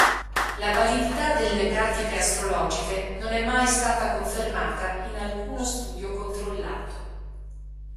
La validità delle pratiche astrologiche non è mai stata confermata in alcuno studio controllato.